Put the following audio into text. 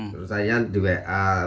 terus saya di wa